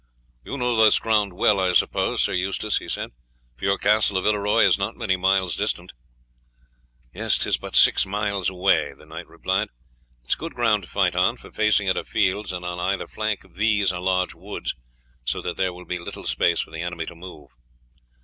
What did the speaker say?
"You know this ground well, I suppose, Sir Eustace," he said, "for your Castle of Villeroy is not many miles distant?" "'Tis but six miles away," the knight replied. "It is a good ground to fight on, for facing it are fields, and on either flank of these are large woods, so that there will be little space for the enemy to move."